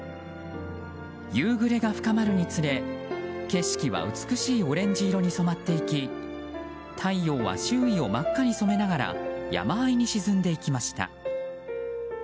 夕暮れが深まるにつれ、景色は美しいオレンジ色に染まっていき太陽は周囲を真っ赤に染めながら山あいに沈んでいきました。